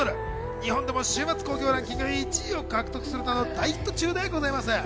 日本でも週末興行ランキング１位を獲得するなど、大ヒット中でございます。